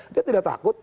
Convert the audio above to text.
dia tidak takut